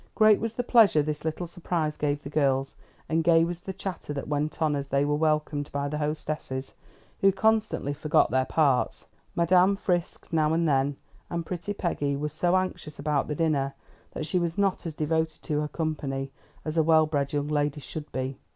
Great was the pleasure this little surprise gave the girls, and gay was the chatter that went on as they were welcomed by the hostesses, who constantly forgot their parts. Madam frisked now and then, and "Pretty Peggy" was so anxious about dinner that she was not as devoted to her company as a well bred young lady should be.